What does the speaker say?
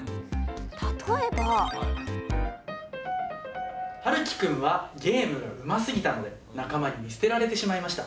例えば。ハルキ君は、ゲームがうますぎたので、仲間に見捨てられてしまいました。